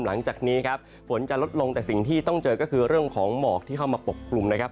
หลังจากนี้ครับฝนจะลดลงแต่สิ่งที่ต้องเจอก็คือเรื่องของหมอกที่เข้ามาปกกลุ่มนะครับ